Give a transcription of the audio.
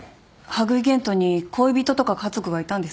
羽喰玄斗に恋人とか家族はいたんですか？